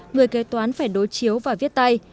người kế toán phải đối chiếu và viết tay